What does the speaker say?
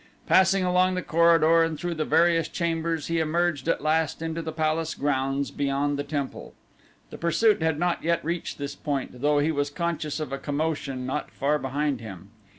Passing along the corridor and through the various chambers he emerged at last into the palace grounds beyond the temple. The pursuit had not yet reached this point though he was conscious of a commotion not far behind him.